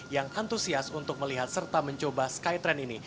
yang antusias untuk melihat serta mencoba skytrain ini